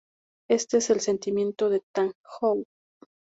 Este es el sentimiento de Tang Hou.